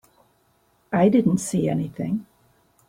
I didn't see anything.